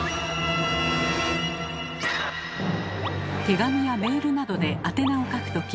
手紙やメールなどで宛名を書くとき